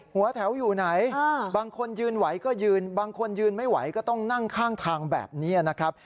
หัวแถวอยู่ไหนบางคนยืนไหวก็ยืนบางคนยืนไม่ไหวก็ต้องนั่งข้างทางแบบนี้นะครับ